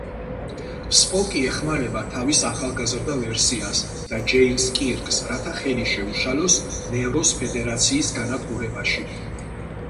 სპოკი ეხმარება თავის „ახალგაზრდა ვერსიას“ და ჯეიმზ კირკს რათა ხელი შეუშალონ ნეროს ფედერაციის განადგურებაში.